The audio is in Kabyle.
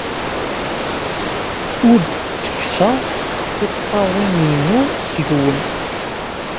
Ur d-ttekkseɣ tiṭṭawin-inu seg-wen.